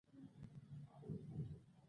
هغوی نشه دي، پوځیانو ته یې اشاره وکړل.